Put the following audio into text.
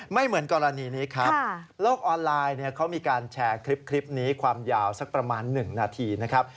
ไม่เหมือนกรณีนี้ครับโลกออนไลน์เขามีการแชร์คลิปนี้ความยาวสักประมาณ๑นาทีนะครับ